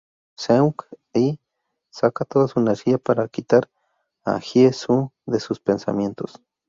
Seung Hee saca toda su energía para quitar a Hye Su de sus pensamientos.